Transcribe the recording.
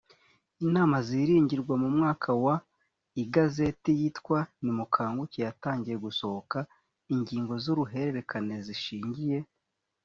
inama ziringirwa mu mwaka wa igazeti yitwa nimukanguke yatangiye gusohora ingingo z uruhererekane zishingiye